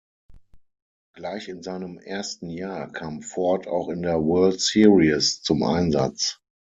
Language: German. Gleich in seinem ersten Jahr kam Ford auch in der World Series zum Einsatz.